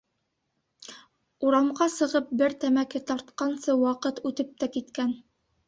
Урамға сығып бер тәмәке тартҡансы ваҡыт үтеп тә киткән.